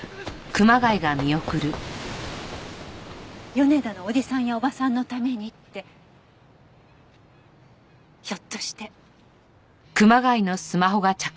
米田のおじさんやおばさんのためにってひょっとして。